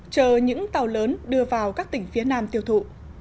chờ những tàu lớn đưa vào các tỉnh phía nam tiêu thụ